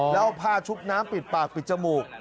แล้วเอาผ้าชุบน้ำปิดปากปิดจมูก